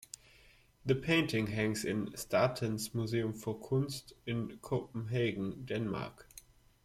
The painting hangs in Statens Museum for Kunst in Copenhagen, Denmark.